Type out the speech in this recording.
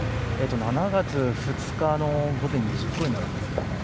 ７月２日の午前２時ごろになるんですけれども。